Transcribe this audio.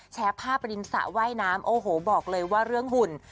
แชร์ภาพริมสระว่ายน้ำโอ้โหบอกเลยว่าเรื่องหุ่น